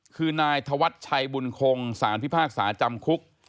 คือนายธวัชชัยบุญคงสารพิพากษาจำคุก